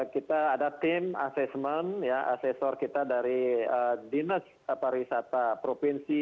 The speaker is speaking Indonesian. kita ada tim assessment asesor kita dari dinas pariwisata provinsi